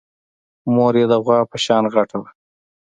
مور يې د غوا په شان غټه وه.